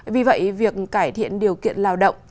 vì vậy việc cải thiện điều kiện lao động